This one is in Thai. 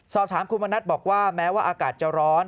สอบถามคุณอำนาจรื่นบอกว่าแม้ว่าอากาศจะร้อน